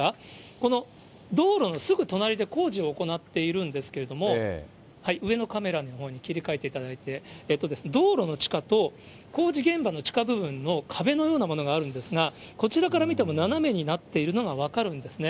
この道路のすぐ隣で工事を行っているんですけれども、上のカメラのほうに切り替えていただいて、道路の地下と工事現場の地下部分の壁のようなものがあるんですが、こちらから見ても斜めになっているのが分かるんですね。